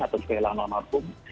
atau sekelah anak anak umum